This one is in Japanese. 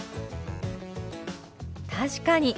確かに！